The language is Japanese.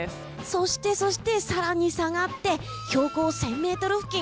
そしてそして更に下がって標高１０００ｍ付近。